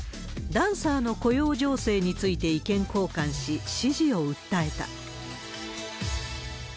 ダンサーの雇用情勢について意見交換し、支持を訴えた。